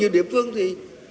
như địa phương thì